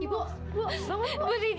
ibu bangun ibu